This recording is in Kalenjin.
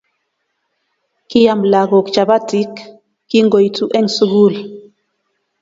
Kiam lagook chapatik kingoitu eng sugul